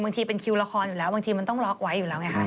บางทีเป็นคิวละครอยู่แล้วบางทีมันต้องล็อกไว้อยู่แล้วไงคะ